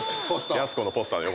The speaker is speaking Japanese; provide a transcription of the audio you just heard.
やす子のポスターの横。